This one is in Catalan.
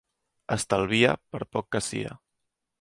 Estalvia, per poc que sia.